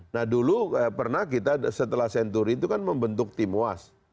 nah dulu pernah kita setelah senturi itu kan membentuk tim uas